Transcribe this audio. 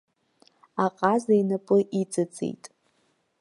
Аҟаза инапы иҵыҵит.